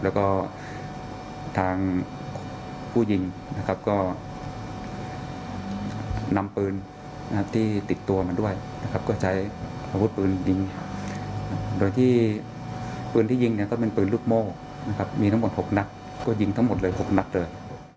แล้วก็ทางผู้ยิงนะครับก็นำปืนที่ติดตัวมาด้วยนะครับก็ใช้อาวุธปืนยิงโดยที่ปืนที่ยิงเนี่ยก็เป็นปืนลูกโม่นะครับมีทั้งหมด๖นัดก็ยิงทั้งหมดเลย๖นัดเลย